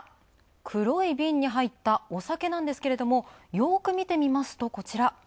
黒いビンに入ったお酒なんですけれども、よくみてみますと、こちら。